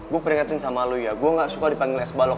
gue peringetin sama lo ya gue gak suka dipanggil es balok